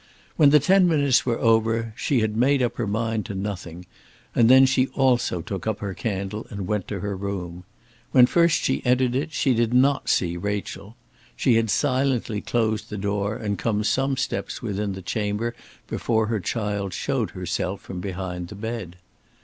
When the ten minutes were over she had made up her mind to nothing, and then she also took up her candle and went to her room. When she first entered it she did not see Rachel. She had silently closed the door and come some steps within the chamber before her child showed herself from behind the bed.